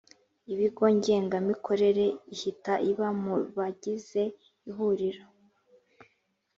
ibigo ngengamikorere ihita iba mu bagize ihuriro